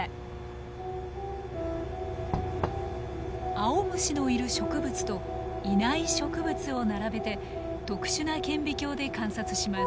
アオムシのいる植物といない植物を並べて特殊な顕微鏡で観察します。